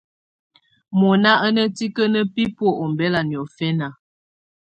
Mɔ̀na à ná tikǝ́nǝ́ bibuǝ́ ɔmbɛla niɔ̀fɛna.